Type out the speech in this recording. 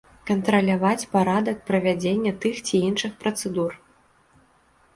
Кантраляваць парадак правядзення тых ці іншых працэдур.